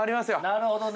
◆なるほどね。